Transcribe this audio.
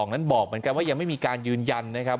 นั้นบอกเหมือนกันว่ายังไม่มีการยืนยันนะครับ